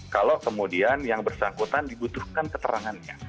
kalau kemudian yang bersangkutan dibutuhkan keterangannya